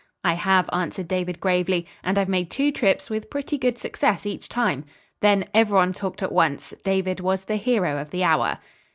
"I have," answered David gravely; "and I've made two trips with pretty good success each time." Then everyone talked at once. David was the hero of the hour.